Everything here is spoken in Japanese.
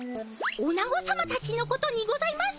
オナゴさまたちのことにございます。